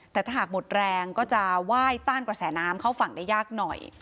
แต่ถ้าหากหมดแรงก็จะไหว้ต้านกระแสน้ำเข้าฝั่งได้ยากหน่อย